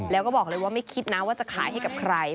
แล้วก็บอกเลยว่าไม่คิดนะว่าจะขายให้กับใคร